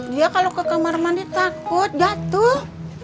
dia kalau ke kamar mandi takut jatuh